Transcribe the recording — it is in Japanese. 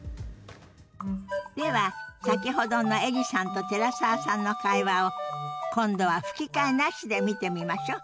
では先ほどのエリさんと寺澤さんの会話を今度は吹き替えなしで見てみましょ。